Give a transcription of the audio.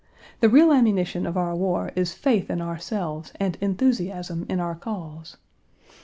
The real ammunition of our war is faith in ourselves and enthusiasm in our cause.